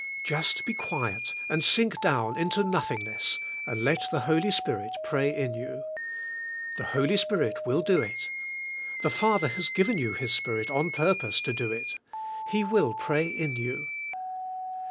Just be quiet and sink down into noth ingness and let the Holy Spirit pray in 3'ou. The Holy Spirit will do it. The Father has given you PRAYKR. 97 His Spirit on purpose to do it. He will pray in you.